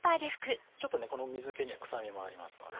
ちょっとこの水気には臭みもありますので。